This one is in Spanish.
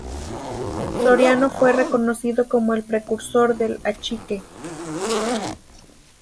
Soriano fue reconocido como el precursor del "achique".